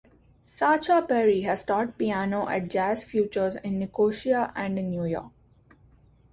Sacha Perry has taught piano at Jazz Futures in Nicosia and in New York.